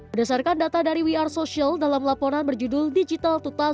berdasarkan data dari we are social dalam laporan berjudul digital dua ribu dua puluh